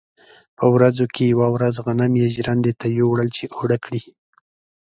په ورځو کې یوه ورځ غنم یې ژرندې ته یووړل چې اوړه کړي.